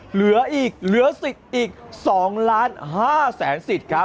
เหลืออีกเหลือสิทธิ์อีก๒ล้าน๕แสนสิทธิ์ครับ